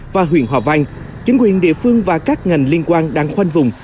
và huyện hòa vang chính quyền địa phương và các ngành liên quan đang khoanh vùng